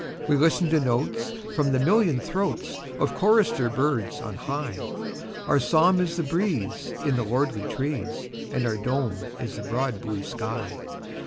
We listen to notes from the million throatsOf chorister birds on high, Our psalm is the breeze in the lordly trees, And our dome is the broad blue sky, Oh!